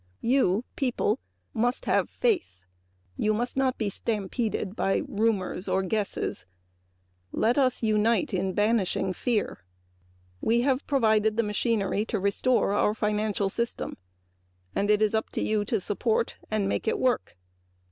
You people must have faith; you must not be stampeded by rumors or guesses. Let us unite in banishing fear. We have provided the machinery to restore our financial system; it is up to you to support and make it work.